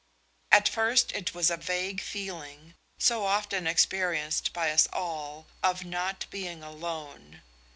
At first it was a vague feeling, so often experienced by us all, of not being alone.